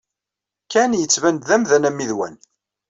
Ken yettban-d d amdan ammidwan.